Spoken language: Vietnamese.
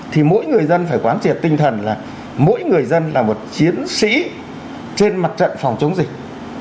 thì mỗi người dân phải quán triệt tinh thần là mỗi người dân là một chiến sĩ trên mặt trận phòng chống dịch